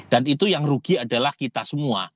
dan itu yang rugi adalah kita semua